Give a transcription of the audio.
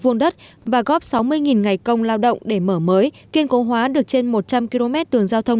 vuông đất và góp sáu mươi ngày công lao động để mở mới kiên cố hóa được trên một trăm linh km đường giao thông